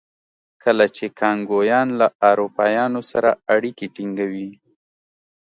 کله چې کانګویان له اروپایانو سره اړیکې ټینګوي.